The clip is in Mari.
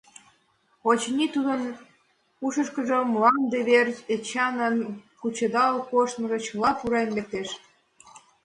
Очыни, тудын ушышкыжо мланде верч Эчанын кучедал коштмыжо чыла пурен лектеш.